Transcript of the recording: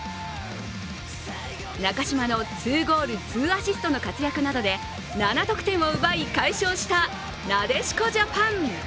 中嶋の２ゴール・２アシストの活躍などで７得点を奪い、快勝したなでしこジャパン。